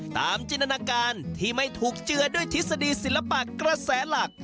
จินตนาการที่ไม่ถูกเจือด้วยทฤษฎีศิลปะกระแสหลัก